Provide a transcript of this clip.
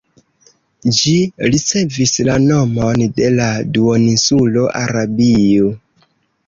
Ĝi ricevis la nomon de la duoninsulo Arabio.